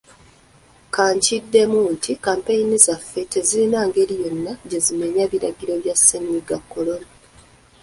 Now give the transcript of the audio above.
Kankiddemu nti kkampeyini zaffe tezirina ngeri yonna gye zimenya biragiro bya Ssennyiga Corona.